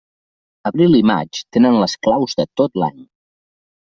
Abril i maig tenen les claus de tot l'any.